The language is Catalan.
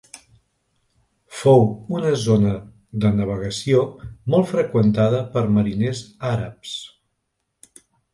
Fou una zona de navegació molt freqüentada per mariners àrabs.